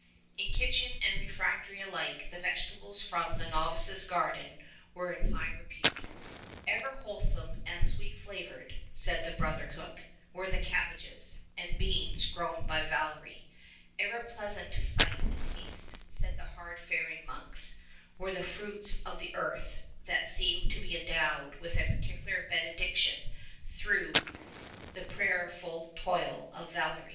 In kitchen and refectory alike the vegetables from the novices' garden were in high repute. Ever wholesome and sweet flavoured, said the Brother Cook, were the cabbages 135 and beans grown by Valery ; ever pleasant to sight and taste, said the hard faring monks, were the fruits of the earth that seemed to be endowed with a particular benediction through the prayerful toil of Valery.